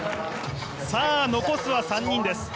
残すは３人です。